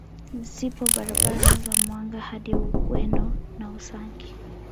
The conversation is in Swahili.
Zipo barabara za Mwanga hadi Ugweno na Usangi